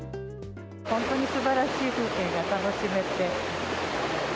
本当にすばらしい風景が楽し